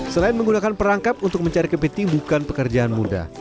selain menggunakan perangkap untuk mencari kepiting bukan pekerjaan mudah